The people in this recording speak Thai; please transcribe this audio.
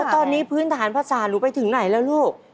ตอนนี้พื้นฐานภาษาหนูไปถึงไหนแล้วลูก